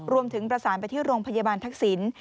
รวมถึงประสานไปที่โรงพยาบาลทักษิณ